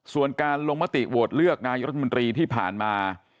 ส่วนการลงมติโหวตเลือกนายรัฐมนตรีที่ผ่านมา